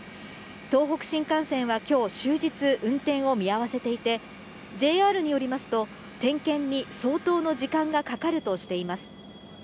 東北新幹線はきょう終日、運転を見合わせていて、ＪＲによりますと、点検に相当の時間がかかるとしています。